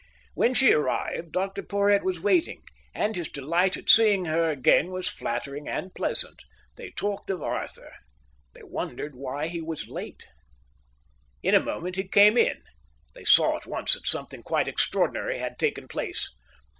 When she arrived, Dr Porhoët was waiting, and his delight at seeing her again was flattering and pleasant. They talked of Arthur. They wondered why he was late. In a moment he came in. They saw at once that something quite extraordinary had taken place.